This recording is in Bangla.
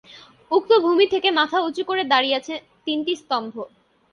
উক্ত ভূমি থেকে মাথা উঁচু করে দাঁড়িয়ে আছে তিনটি স্তম্ভ।